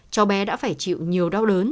cháu bé đã phải chịu nhiều đau đớn